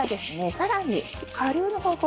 さらに下流の方向